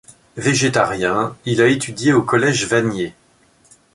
Végétarien, il a étudié au collège Vanier.